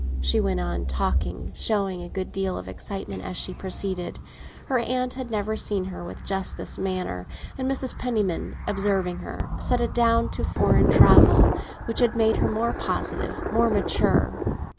She went on talking, showing a good deal of excitement as she proceeded. Her aunt had never seen her with just this manner, and Mrs. Penniman, observing her, set it down to foreign travel, which had made her more positive, more mature.